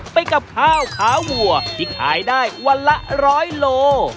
ไปกับข้าวขาวัวที่ขายได้วันละ๑๐๐โล